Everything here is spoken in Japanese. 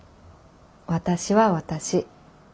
私は私。